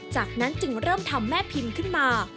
จากนั้นจึงเริ่มทำแม่พิมพ์ขึ้นมา